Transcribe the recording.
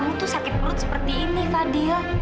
kamu tuh sakit perut seperti ini fadil